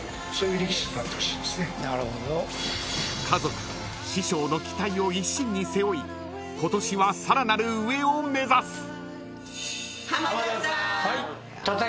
［家族師匠の期待を一身に背負い今年はさらなる上を目指す！］